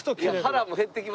腹も減ってきますしね。